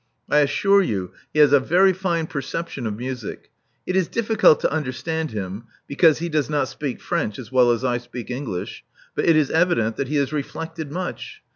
I assure you he has a very fine perception of music. It is difficult to understand him, because he does not speak French as well as I speak English; but it is evident that he has reflected much.